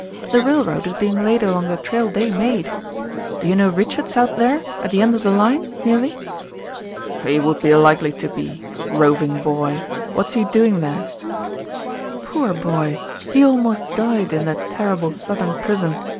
The railroad is being laid along the trail they made. Do you know Richard's out there at the end of the line nearly?" "He would be likely to be. Roving boy! What's he doing there?" "Poor boy! He almost died in that terrible southern prison.